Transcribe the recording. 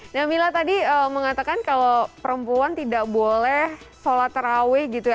nah mila tadi mengatakan kalau perempuan tidak boleh sholat terawih gitu ya